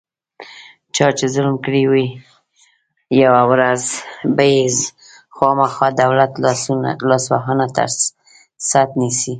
چا چې ظلم کړی وي، یوه ورځ به یې خوامخا دولت لاسونه ترڅټ نیسي.